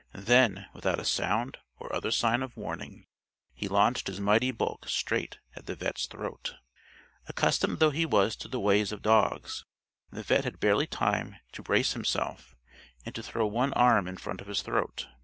Then, without a sound or other sign of warning, he launched his mighty bulk straight at the vet's throat. Accustomed though he was to the ways of dogs, the vet' had barely time to brace himself and to throw one arm in front of his throat.